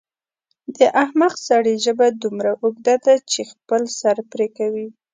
د احمق سړي ژبه دومره اوږده ده چې خپل سر پرې کوي.